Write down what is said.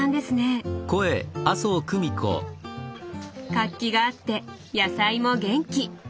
活気があって野菜も元気！